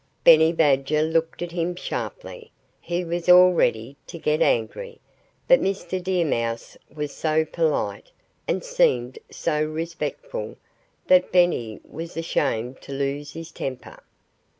Benny Badger looked at him sharply. He was all ready to get angry. But Mr. Deer Mouse was so polite, and seemed so respectful, that Benny was ashamed to lose his temper.